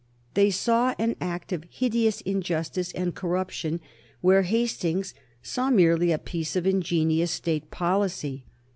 They saw an act of hideous injustice and corruption where Hastings saw merely a piece of ingenious state policy.